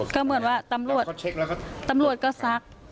ก็เหมือนตำรวจก็สัก